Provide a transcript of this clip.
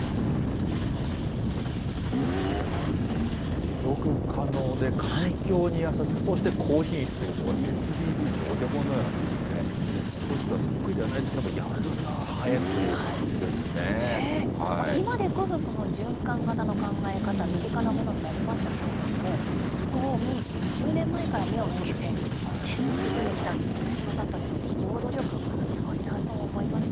持続可能で環境に優しく、そして、高品質という、もうＳＤＧｓのお手本のような取り組みでね、正直、私、得意ではないですけれども、やるな、今でこそ循環型の考え方、身近なものになりましたけれども、そこに２０年前から目をつけて取り組んできた串間さんたちの企業努力、これはすごいなと思いました。